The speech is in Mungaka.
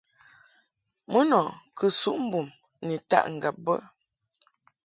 Mun ɔ kɨ suʼ mbum ni taʼ ŋgab be.